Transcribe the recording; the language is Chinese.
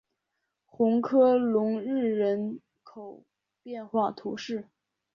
红科隆日人口变化图示